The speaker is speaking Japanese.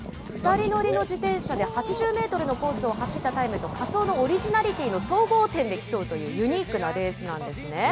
２人乗りの自転車で８０メートルのコースを走ったタイムと仮装のオリジナリティーの総合点で競うというユニークなレースなんですね。